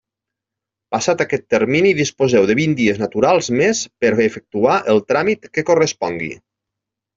Passat aquest termini disposeu de vint dies naturals més per efectuar el tràmit que correspongui.